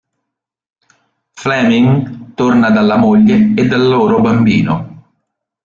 Fleming torna dalla moglie e dal loro bambino.